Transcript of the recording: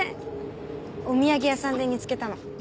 お土産屋さんで見つけたの。